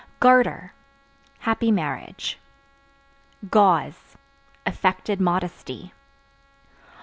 Garter Happy marriage. Gauze Affected modesty.